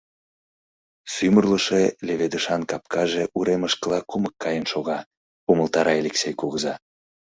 Сӱмырлышӧ леведышан капкаже уремышкыла кумык каен шога, — умылтара Элексей кугыза.